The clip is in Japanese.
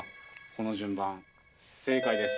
この順番正解です。